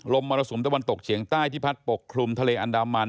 มรสุมตะวันตกเฉียงใต้ที่พัดปกคลุมทะเลอันดามัน